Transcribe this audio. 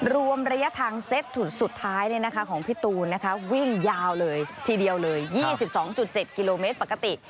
รวมระยะทางเซ็ทสุดท้ายของพี่ตูนวิ่งยาวเลย๒๒๗กิโลเมตรปกติ